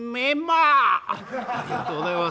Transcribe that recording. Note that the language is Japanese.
「ありがとうございます。